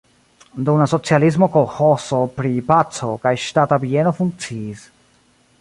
Dum la socialismo kolĥozo pri "Paco" kaj ŝtata bieno funkciis.